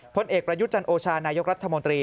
ผลเอกประยุทธ์จันโอชานายกรัฐมนตรี